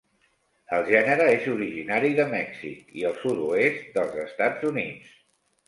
El gènere és originari de Mèxic i el sud-oest dels Estats Units.